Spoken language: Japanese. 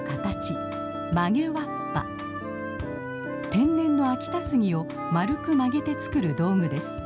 天然の秋田杉を丸く曲げて作る道具です。